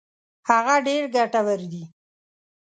هغه ډېر ګټور دي.